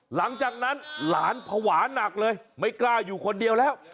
หลังจากนั้นหลานภาวะหนักเลยไม่กล้าอยู่คนเดียวแล้ว